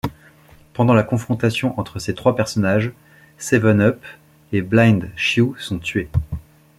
Pendant la confrontation entre ces trois personnages, Seven Up et Blind Chiu sont tués.